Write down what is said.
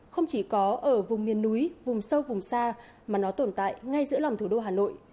không chỉ có ở vùng miền núi vùng sâu vùng xa mà nó tồn tại ngay giữa lòng thủ đô hà nội